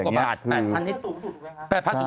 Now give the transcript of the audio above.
๘๐๐๐สูงสุด